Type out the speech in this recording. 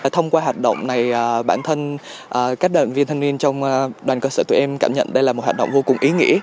thông qua hạt động này bản thân các đoàn viên thanh niên trong đoàn cơ sở tụi em cảm nhận đây là một hạt động vô cùng ý nghĩ